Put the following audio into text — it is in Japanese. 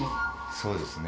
そうですね。